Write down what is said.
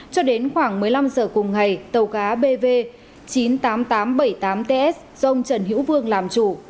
cho đến khoảng một mươi năm giờ cùng ngày tàu cá bv chín mươi tám nghìn tám trăm bảy mươi tám ts do ông trần hiễu vương làm chủ